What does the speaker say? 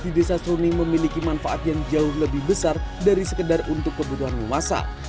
di desa seruni memiliki manfaat yang jauh lebih besar dari sekedar untuk kebutuhan memasak